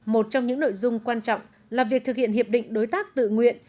một trong những nội dung quan trọng là việc thực hiện hiệp định đối tác tự nguyện